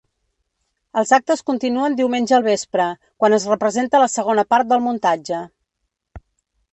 Els actes continuen diumenge al vespre, quan es representa la segona part del muntatge.